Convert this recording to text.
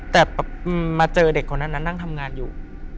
แต่มาเจอเด็กคนนั้นนั่งทำงานอยู่